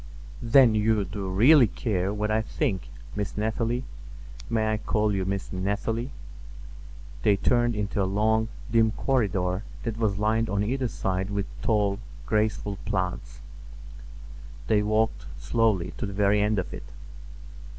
"Then you do really care what I think, Miss Nathalie? May I call you Miss Nathalie?" They turned into a long, dim corridor that was lined on either side with tall, graceful plants. They walked slowly to the very end of it.